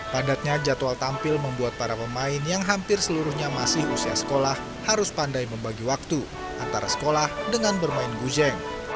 padatnya jadwal tampil membuat para pemain yang hampir seluruhnya masih usia sekolah harus pandai membagi waktu antara sekolah dengan bermain guzeng